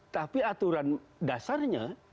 tapi aturan dasarnya